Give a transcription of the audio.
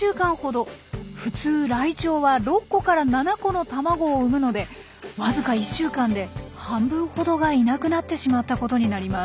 普通ライチョウは６個から７個の卵を産むのでわずか１週間で半分ほどがいなくなってしまったことになります。